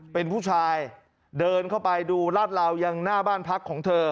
เป็นผู้ชายเดินเข้าไปดูลาดลาวยังหน้าบ้านพักของเธอ